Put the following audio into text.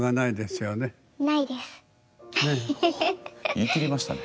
言い切りましたね。